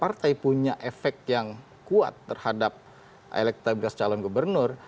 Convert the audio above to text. partai punya efek yang kuat terhadap elektabilitas calon gubernur